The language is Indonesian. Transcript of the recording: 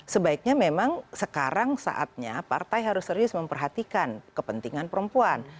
sebaiknya memang sekarang saatnya partai harus serius memperhatikan kepentingan perempuan